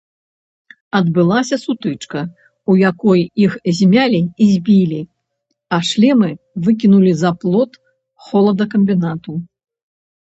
Адбылася сутычка, у якой іх змялі і збілі, а шлемы выкінулі за плот холадакамбінату.